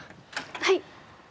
はい。